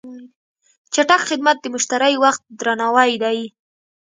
چټک خدمت د مشتری وخت درناوی دی.